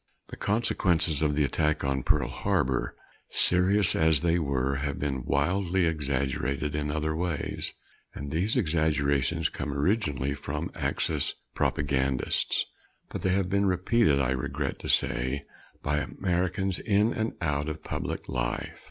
The consequences of the attack on Pearl Harbor serious as they were have been wildly exaggerated in other ways. And these exaggerations come originally from Axis propagandists; but they have been repeated, I regret to say, by Americans in and out of public life.